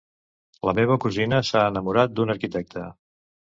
La meva cosina s'ha enamorat d'un arquitecte.